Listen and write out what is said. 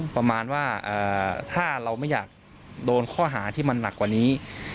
ประมาณว่าถ้าเราไม่อยากโดนข้อหาที่มันหนักกว่านี้